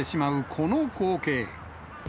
この光景。